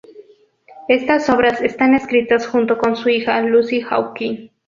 Estas obras están escritas junto con su hija Lucy Hawking.